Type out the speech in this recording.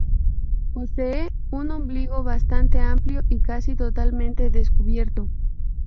Posee un ombligo bastante amplio y casi totalmente descubierto.